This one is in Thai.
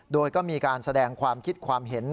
โดยก็มีการแสดงความคิดความเห็น